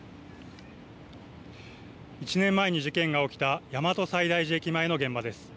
１年前に事件が起きた大和西大寺駅前の現場です。